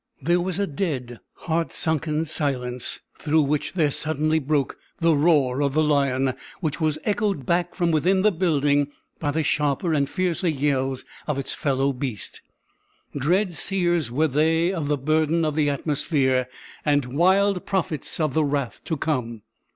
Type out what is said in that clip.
There was a dead, heart sunken silence; through which there suddenly broke the roar of the lion, which was echoed back from within the building by the sharper and fiercer yells of its fellow beast. Dread seers were they of the Burden of the Atmosphere, and wild prophets of the wrath to come!